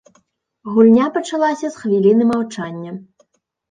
Гульня пачалася з хвіліны маўчання.